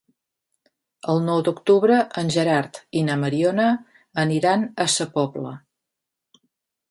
El nou d'octubre en Gerard i na Mariona aniran a Sa Pobla.